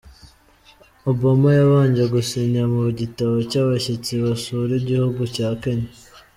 Obama yabanje gusinya mu gitabo cy'abashyitsi basura igihugu cya Kenya.